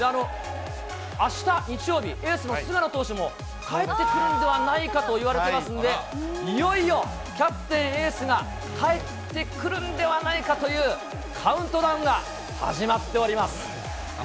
あした日曜日、エースの菅野投手も帰ってくるんではないかといわれてますんで、いよいよキャプテン、エースが帰ってくるんではないかという、カウントダウンが始まっております。